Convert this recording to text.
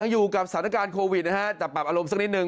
อยู่กับสถานการณ์โควิดนะฮะจะปรับอารมณ์สักนิดนึ